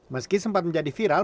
meski sempat menjadi viral